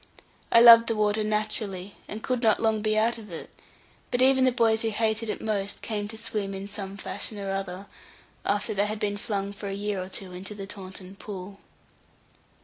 I loved the water naturally, and could not long be out of it; but even the boys who hated it most, came to swim in some fashion or other, after they had been flung for a year or two into the Taunton pool.